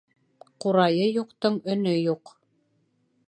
Ҡурайы юҡтың өнө юҡ